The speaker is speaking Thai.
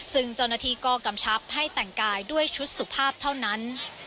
ซึ่งเจ้าหน้าที่ก็กำชับให้แต่งกายด้วยชุดสุภาพเท่านั้น